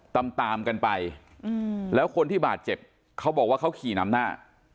ตามตามกันไปแล้วคนที่บาดเจ็บเขาบอกว่าเขาขี่นำหน้า